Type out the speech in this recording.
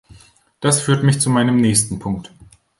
Das führt mich zu meinem nächsten Punkt.